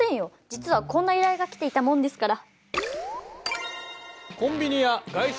実はこんな依頼が来ていたもんですから。